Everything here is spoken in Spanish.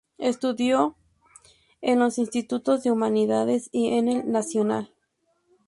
Estudió en los institutos de Humanidades y en el Nacional.